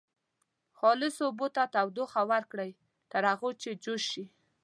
خالصو اوبو ته تودوخه ورکړئ تر هغو چې جوش شي.